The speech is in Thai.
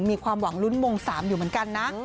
มีความหวังลุ้นมง๓อยู่เหมือนกันนะ